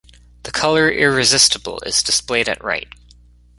The color irresistible is displayed at right.